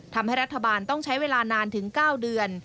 ทำให้รัฐบาลต้องใช้เวลานานถึง๙เดือน